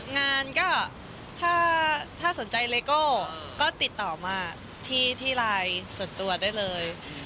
งานก็ถ้าสนใจเลโก้ก็ติดต่อมาที่ไลน์ส่วนตัวได้เลย